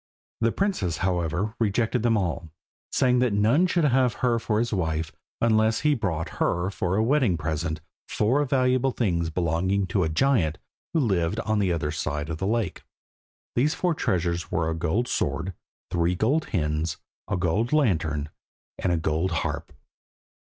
The princess, however, rejected them all, saying that none should have her for his wife unless he brought her for a wedding present four valuable things belonging to a giant who lived on the other side of the lake. These four treasures were a gold sword, three gold hens, a gold lantern, and a gold harp.